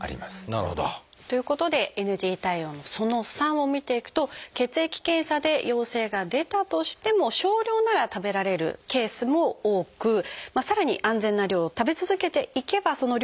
なるほど。ということでＮＧ対応のその３を見ていくと血液検査で陽性が出たとしても少量なら食べられるケースも多くさらに安全な量を食べ続けていけばその量を増やしていくこともできると。